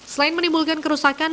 selain menimbulkan kerusakan